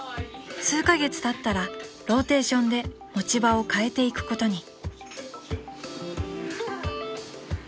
［数カ月たったらローテーションで持ち場を変えていくことに］